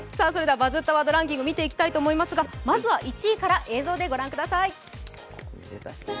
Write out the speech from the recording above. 「バズったワードランキング」見ていきたいと思いますが、まずは１位から映像でご覧ください